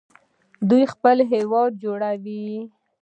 دوی خپل هیواد جوړوي.